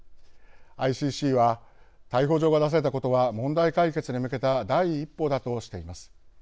ＩＣＣは逮捕状が出されたことは問題解決に向けた第一歩だとしています。